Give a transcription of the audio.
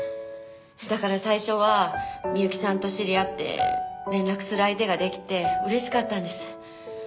だから最初は美由紀さんと知り合って連絡する相手ができて嬉しかったんです。